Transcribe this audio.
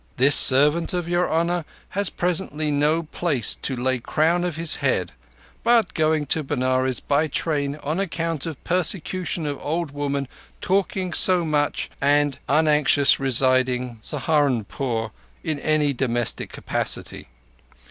This servant of your Honour has presently no place to lay crown of his head, but going to Benares by train on account of persecution of old woman talking so much and unanxious residing Saharunpore in any domestic capacity.